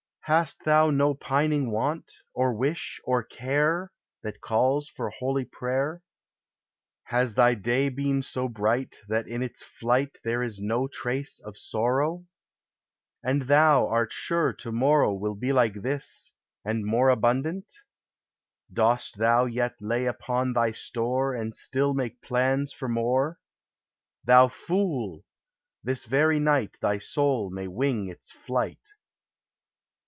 Hast thou no pining want, or wish, or care, That calls for holy prayer? Has thy day been so bright That in its flight There is no trace of sorrow? And thou art sure to morrow Will be like this, and more Abundant? Dost thou yet lay up thy store And still make plans for more? Thou fool! this very night Thy soul may wing its flight.